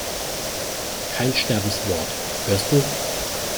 Kein Sterbenswort, hörst du?